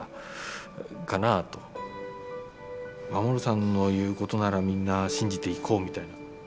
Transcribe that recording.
守さんの言うことならみんな信じていこうみたいな。